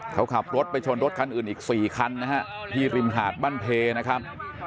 เขาขับรถไปชนรถคันอื่นอีก๔คันนะฮะที่ริมหาดบ้านเพนะครับ